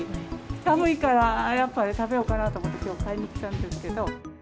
寒いから、やっぱり食べようかなと思って、きょう、買いに来たんですけど。